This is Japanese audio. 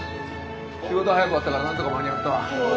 仕事早く終わったからなんとか間に合ったわ。